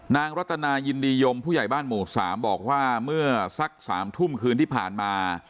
รัตนายินดียมผู้ใหญ่บ้านหมู่๓บอกว่าเมื่อสัก๓ทุ่มคืนที่ผ่านมา